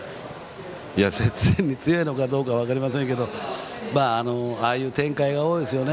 接戦に強いのかどうかは分かりませんがああいう展開が多いですよね。